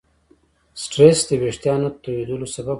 سټرېس د وېښتیانو تویېدلو سبب کېږي.